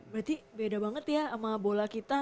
berarti beda banget ya sama bola kita